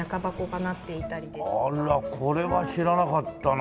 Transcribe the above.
あらこれは知らなかったな。